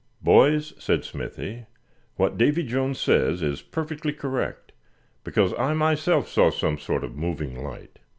"Boys," said Smithy, "what Davy Jones says is perfectly correct, because I myself saw some sort of moving light.